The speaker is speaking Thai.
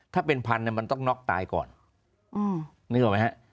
ถ้าเป็นพันเนี่ยมันต้องน็อกตายก่อนนึกออกไหมฮะ